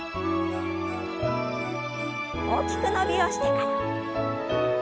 大きく伸びをしてから。